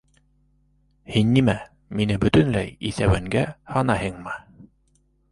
Һин нимә, мине бөтөнләй иҫәүәнгә һанайһыңмы?